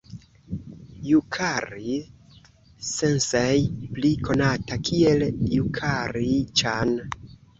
Jukari-sensej, pli konata kiel Jukari-ĉan.